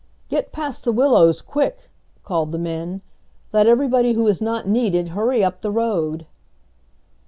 "Get past the willows quick!" called the men. "Let everybody who is not needed hurry up the road!"